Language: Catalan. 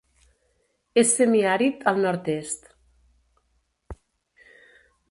És semiàrid al nord-est.